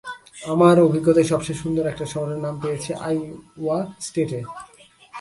আমার অভিজ্ঞতায় সবচেয়ে সুন্দর একটা শহরের নাম পেয়েছি আইওয়া স্টেটে।